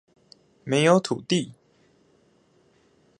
沒有土地！